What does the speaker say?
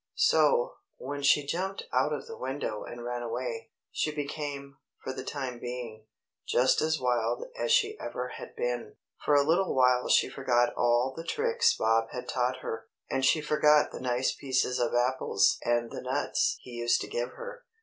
So, when she jumped out of the window and ran away, she became, for the time being, just as wild as she ever had been. For a little while she forgot all the tricks Bob had taught her, and she forgot the nice pieces of apples and the nuts he used to give her.